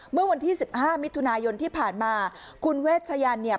เมื่อวันที่สิบห้ามิถุนายนที่ผ่านมาคุณเวชยันเนี่ย